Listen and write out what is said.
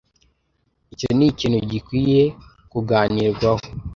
Icyo nikintu gikwiye kuganirwaho.